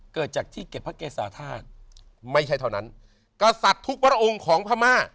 เกิดจากที่เก็บพระเกษาธาตุไม่ใช่เท่านั้นกษัตริย์ทุกพระองค์ของพม่า